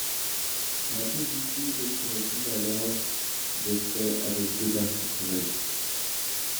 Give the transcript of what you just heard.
L'Afrique du Sud se retrouve alors de fait avec deux partis travaillistes.